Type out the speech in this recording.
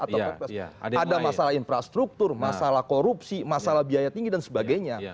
ada masalah infrastruktur masalah korupsi masalah biaya tinggi dan sebagainya